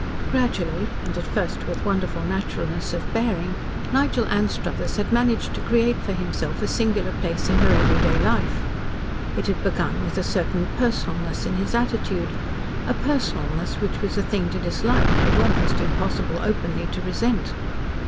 Gradually, and at first with wonderful naturalness of bearing, Nigel Anstruthers had managed to create for himself a singular place in her everyday life. It had begun with a certain personalness in his attitude, a personalness which was a thing to dislike, but almost impossible openly to resent.